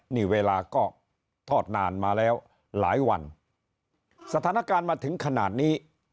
นี่เวลาก็ทอดนานมาแล้วหลายวันสถานการณ์มาถึงขนาดนี้